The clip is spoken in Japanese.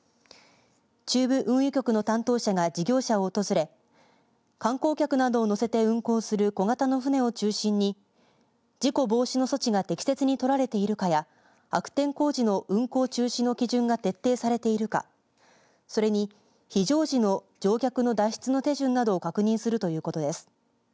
中部運輸局の担当者が事業者を訪れ観光客などを乗せて運航する小型の船を中心に事故防止の措置が適切に取られているかや悪天候時の運航中止の基準が徹底されているか、それに非常時の乗客の脱出の手順などを確認するということです。